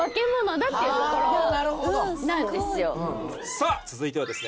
さぁ続いてはですね